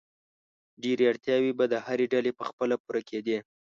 ډېری اړتیاوې به د هرې ډلې په خپله پوره کېدې.